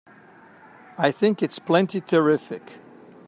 I think it's plenty terrific!